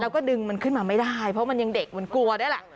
แล้วก็ดึงมันขึ้นมาไม่ได้เพราะมันยังเด็กมันกลัวด้วยแหละ